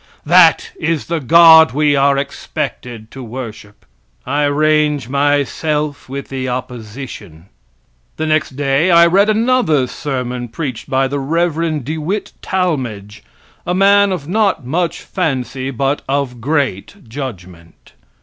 That is the God we are expected to worship. I range myself with the opposition. The next day I read another sermon preached by the Rev. De Witt Talmage, a man of not much fancy, but of great judgment.